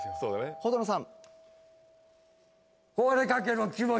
程野さん